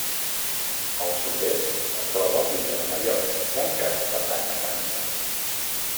Al sud-est, es troba l'illa de Mayotte, que encara pertany a França.